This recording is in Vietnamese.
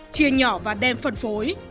chia nhỏ và đem phần phối